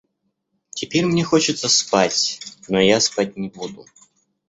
Теперь мне хочется спать, но я спать не буду.